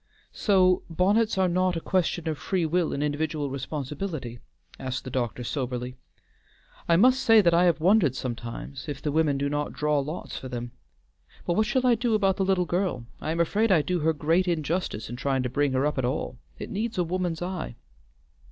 "So bonnets are not a question of free will and individual responsibility?" asked the doctor soberly. "I must say that I have wondered sometimes if the women do not draw lots for them. But what shall I do about the little girl? I am afraid I do her great injustice in trying to bring her up at all it needs a woman's eye."